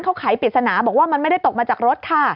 เขาไขปริศนาบอกว่ามันไม่ได้ตกมาจากรถค่ะ